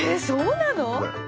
そうなの？